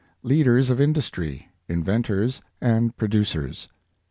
LEADERS OF INDUSTRY— INVENTORS AND PRODUCERS.